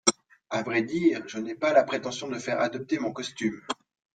À vrai dire, je n’ai pas la prétention de faire adopter mon costume !